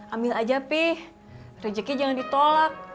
ambil aja pih rejeki jangan ditolak